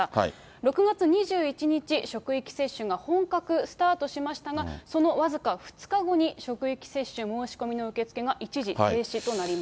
６月２１日、職域接種が本格スタートしましたが、その僅か２日後に職域接種申し込みの受け付けが一時停止となりま